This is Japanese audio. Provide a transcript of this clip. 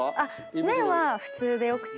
麺は普通でよくて。